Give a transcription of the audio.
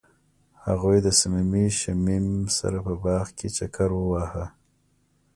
هغوی د صمیمي شمیم سره په باغ کې چکر وواهه.